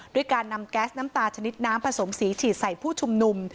ด้วยการนำแก๊สน้ำตาชนิดน้ำผสมสีฉีดใส่ผู้ชุมนุม